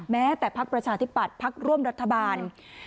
แม้แต่พักประชาธิปัตย์พักร่วมรัฐบาล